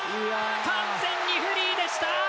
完全にフリーでした！